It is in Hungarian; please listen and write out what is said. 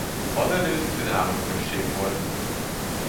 Azelőtt önálló község volt.